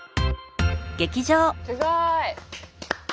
すごい。